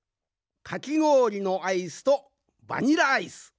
かきごおりのアイスとバニラアイス